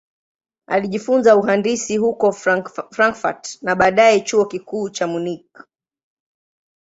Alijifunza uhandisi huko Frankfurt na baadaye Chuo Kikuu cha Munich.